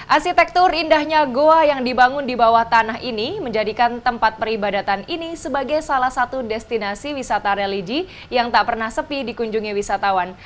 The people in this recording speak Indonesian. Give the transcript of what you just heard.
arsitektur indahnya goa yang dibangun di bawah tanah ini menjadikan tempat peribadatan ini sebagai salah satu destinasi wisata religi yang tak pernah sepi dikunjungi wisatawan